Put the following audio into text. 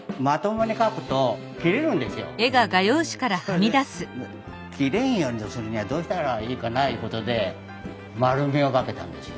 それで切れんようにするにはどうしたらいいかないうことで円みをかけたんですよ。